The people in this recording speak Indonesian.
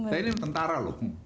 saya ini tentara loh